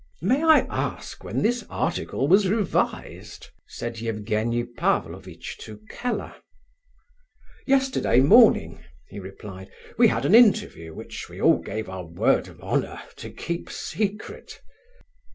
"May I ask when this article was revised?" said Evgenie Pavlovitch to Keller. "Yesterday morning," he replied, "we had an interview which we all gave our word of honour to keep secret."